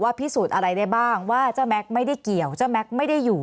พิสูจน์อะไรได้บ้างว่าเจ้าแม็กซ์ไม่ได้เกี่ยวเจ้าแม็กซ์ไม่ได้อยู่